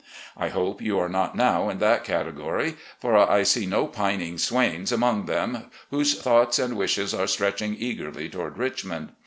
I hope you are not now in that category, for I see no pining swains among them, whose thoughts and wishes are stretching eagerly toward Richmond.